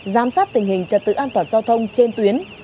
giám sát tình hình trật tự an toàn giao thông trên tuyến